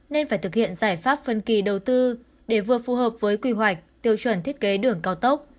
nên phải thực hiện giải pháp phân kỳ đầu tư để vừa phù hợp với quy hoạch tiêu chuẩn thiết kế đường cao tốc